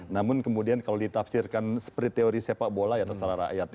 namun kemudian kalau ditafsirkan seperti teori sepak bola ya terserah rakyat